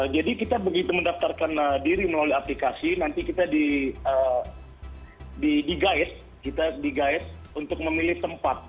jadi kita begitu mendaftarkan diri melalui aplikasi nanti kita digaes untuk memilih tempat